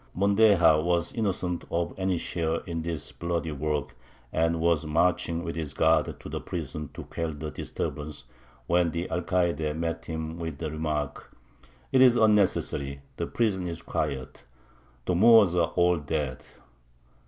Mondéjar was innocent of any share in this bloody work, and was marching with his guard to the prison to quell the disturbance, when the Alcayde met him with the remark: "It is unnecessary; the prison is quiet the Moors are all dead."